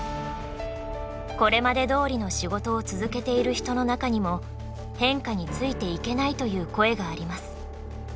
これまでどおりの仕事を続けている人の中にも変化についていけないという声があります。